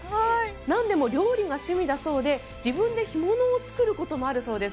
なんでも料理が趣味だそうで自分で干物を作ることもあるそうです。